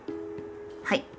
はい。